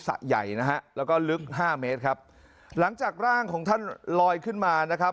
ใหญ่นะฮะแล้วก็ลึกห้าเมตรครับหลังจากร่างของท่านลอยขึ้นมานะครับ